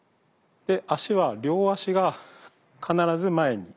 で足は両足が必ず前に。